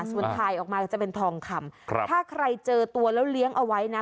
ส่วนถ่ายออกมาจะเป็นทองคำถ้าใครเจอตัวแล้วเลี้ยงเอาไว้นะ